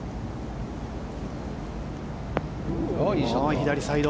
左サイド。